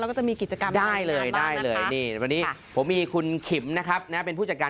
แล้วก็จะมีกิจกรรมมากกว่าบ้างนะคะ